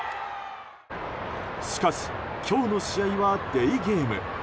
しかし今日の試合はデーゲーム。